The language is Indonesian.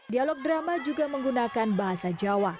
dialog drama juga menggunakan bahasa jawa